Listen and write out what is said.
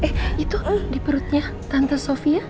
eh itu di perutnya tante sofia